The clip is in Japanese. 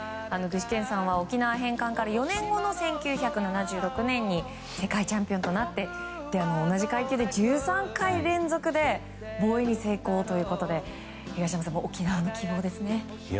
具志堅さんは沖縄返還から４年後の１９７６年に世界チャンピオンとなって同じ階級で１３回連続で防衛に成功ということで東山さん、沖縄の希望ですね。